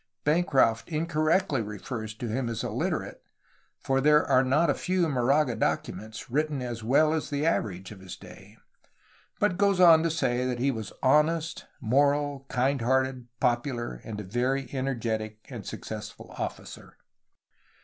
Bancroft incorrectly refers to him as "iUiterate'' (for there are not a few Moraga docu ments, written as well as the average of his day), but goes on to say that he was "honest, moral, kind hearted, popular, and a very energetic and successful officer.